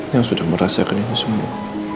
yang sudah merasakan ini semua